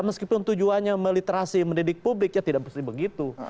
meskipun tujuannya meliterasi mendidik publik ya tidak mesti begitu